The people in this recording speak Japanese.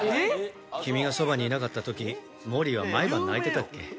「君がそばにいなかったときモリーは毎晩泣いてたっけ」